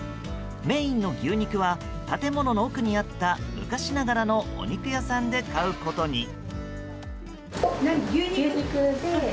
メインの牛肉は建物の奥にあった昔ながらのお肉屋さんで買うことに。